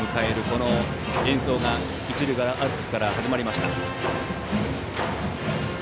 この演奏が一塁側アルプスから始まりました。